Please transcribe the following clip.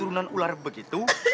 udah galak begitu